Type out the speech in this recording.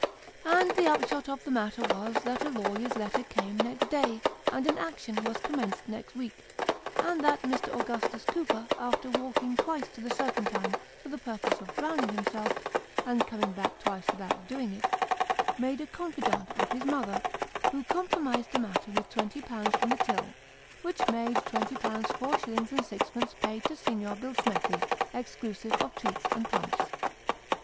And the upshot of the matter was, that a lawyer's letter came next day, and an action was commenced next week ; and that Mr. Augustus Cooper, after walking twice to the Serpentine for the purpose of drowning himself, and coming twice back without doing it, made a confidante of his mother, who compromised the matter with twenty pounds from the till : which made twenty pounds four shillings and sixpence paid to Signor Bill smethi, exclusive of treats and pumps.